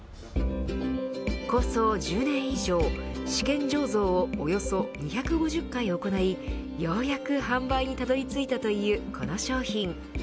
構想１０年以上試験醸造をおよそ２５０回行いようやく販売にたどり着いたというこの商品。